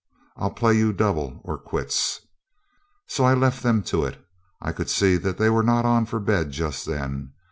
I'll play you double or quits.' So I left them to it. I could see they were not on for bed just then.